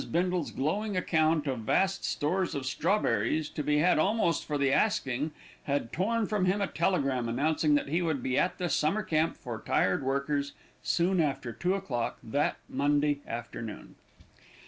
Bindle's glowing account of vast stores of strawberries, to be had almost for the asking, had torn from him a telegram announcing that he would be at the Summer Camp for Tired Workers soon after two o'clock that, Monday, afternoon.